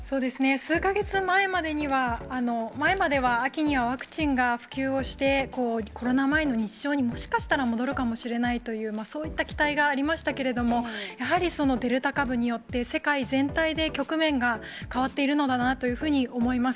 数か月前までは、秋にはワクチンが普及をして、コロナ前の日常にもしかしたら戻るかもしれないという、そういった期待がありましたけれども、やはりデルタ株によって、世界全体で局面が変わっているのだなというふうに思います。